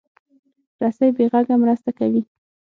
رسۍ بې غږه مرسته کوي.